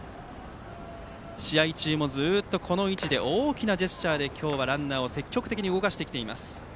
試合中もずっとこの位置で大きなジェスチャーで今日はランナーを積極的に動かしてきています。